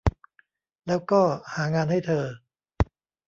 แล้วก็ หางานให้เธอ